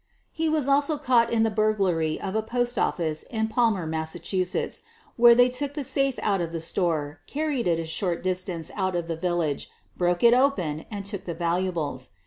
He was also caught in the burglary of a post office at Palmer, Massachusetts, where they took the safe out of the store, carried it a short distance out of the village, broke it open, and took the valuables.